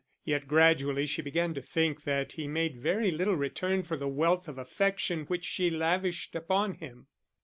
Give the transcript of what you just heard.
Yet gradually she began to think that he made very little return for the wealth of affection which she lavished upon him.